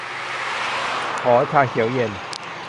ขอชาเขียวเย็น